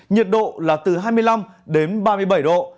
nhiệt độ là từ hai mươi năm đến ba mươi bảy độ